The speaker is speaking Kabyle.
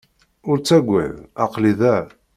Ur ttagad. Aql-i da.